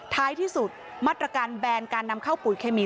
ท้ายที่สุดมาตรการแบนการนำเข้าปุ๋ยเคมี